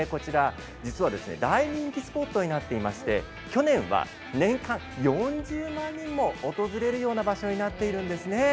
実は大人気スポットになっていまして去年は年間４０万人も訪れるような場所になっているんですね。